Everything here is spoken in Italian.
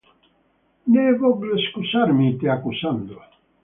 Nè voglio scusarmi, te accusando.